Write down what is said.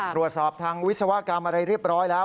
ตรวจสอบทางวิศวกรรมอะไรเรียบร้อยแล้ว